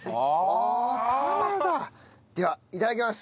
ではいただきます。